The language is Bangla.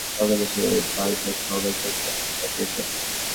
খবরে বলা হয়, চলতি বছর বাংলাদেশে পাঁচজন ব্লগার জঙ্গিদের হাতে প্রাণ দিয়েছেন।